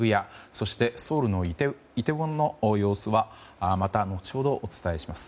そしてソウルのイテウォンの様子はまた後程お伝えします。